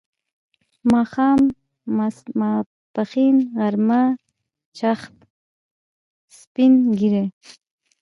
ماښام، ماپښین، غرمه، چاښت، سپین ږیری